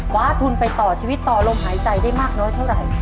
ทุนไปต่อชีวิตต่อลมหายใจได้มากน้อยเท่าไหร่